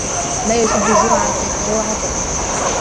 مَا يَسُدُّ جَوْعَتَك